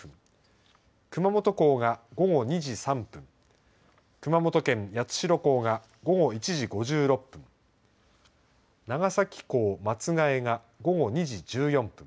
熊本港が午後２時３分熊本県八代港が午後１時５６分長崎港松が枝が午後２時１４分